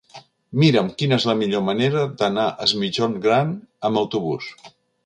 Mira'm quina és la millor manera d'anar a Es Migjorn Gran amb autobús.